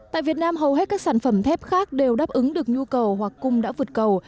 tại việt nam hầu hết các sản phẩm thép khác đều đáp ứng được nhu cầu hoặc cung đã vượt cầu